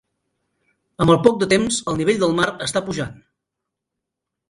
Amb el poc de temps el nivell del mar està pujant.